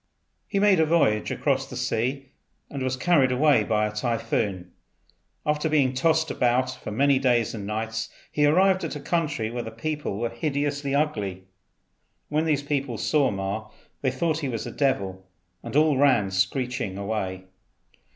He made a voyage across the sea, and was carried away by a typhoon. After being tossed about for many days and nights he arrived at a country where the people were hideously ugly. When these people saw Ma they thought he was a devil and all ran screeching away.